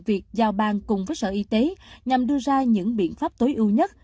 việc giao ban cùng với sở y tế nhằm đưa ra những biện pháp tối ưu nhất